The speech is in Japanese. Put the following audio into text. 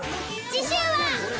次週は。